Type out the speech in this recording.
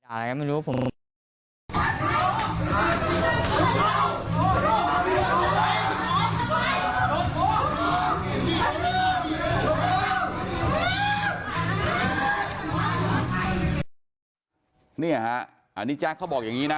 อันนี้แจ็คเขาบอกอย่างนี้นะ